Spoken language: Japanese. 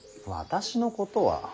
私のことは。